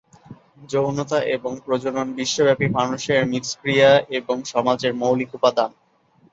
যৌনতা এবং প্রজনন বিশ্বব্যাপী মানুষের মিথস্ক্রিয়া এবং সমাজের মৌলিক উপাদান।